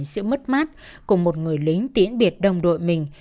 sự mất mát của một người lính tiễn biệt đồng đội mình